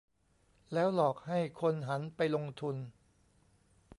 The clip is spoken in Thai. แล้วหลอกให้คนหันไปลงทุน